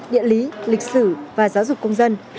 địa lý lịch sử và giáo dục công dân